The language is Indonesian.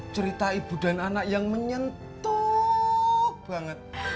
cerita ibu dan anak yang menyentuh banget